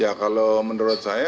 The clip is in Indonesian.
ya kalau menurut saya